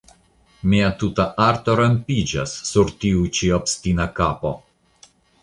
mia tuta arto rompiĝas sur tiu ĉi obstina kapo!